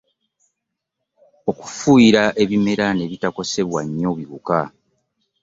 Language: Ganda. Okufuuyira ebirime ne bitakosebwa nnyo biwuka.